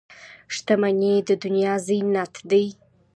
• شتمني د دنیا زینت دی.